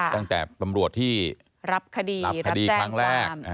ตั้งแต่ตำรวจที่รับคดีครั้งแรก